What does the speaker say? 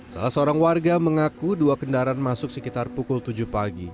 salah seorang warga mengaku dua kendaraan masuk sekitar pukul tujuh pagi